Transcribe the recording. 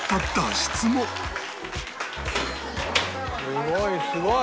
すごいすごい！